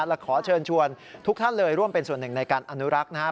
และขอเชิญชวนทุกท่านเลยร่วมเป็นส่วนหนึ่งในการอนุรักษ์นะครับ